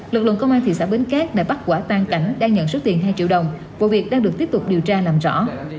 lực lượng công an thị xã bến cát đã bắt quả tan cảnh đang nhận số tiền hai triệu đồng vụ việc đang được tiếp tục điều tra làm rõ